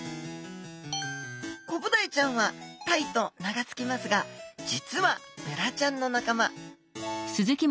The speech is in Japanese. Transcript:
コブダイちゃんはタイと名が付きますが実はベラちゃんの仲間。